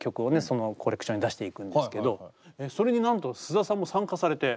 そのコレクションに出していくんですけどそれになんと須田さんも参加されて。